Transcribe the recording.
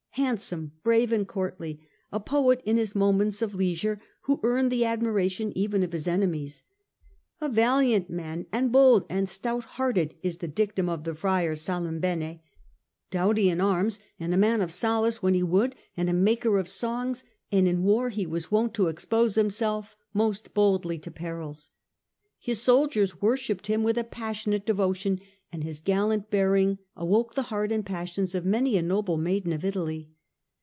Hand some, brave and courtly, a poet in his moments of leisure, he earned the admiration even of his enemies. " A valiant man, and bold and stout hearted," is the dictum of the friar Salimbene ;" doughty in arms, and a man of solace when he would and a maker of songs : and in war he was wont to expose himself most boldly to perils." His soldiers worshipped him with a passionate devotion, and his gallant bearing awoke the heart and passions of many a noble maiden of Italy.